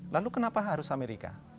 lalu kenapa harus amerika